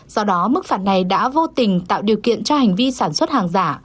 do đó mức phạt này đã vô tình tạo điều kiện cho hành vi sản xuất hàng giả